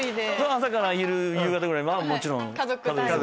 朝から昼夕方ぐらいはもちろん家族で。